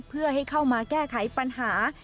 เพื่อให้เข้ามาแก้ไขปัญหา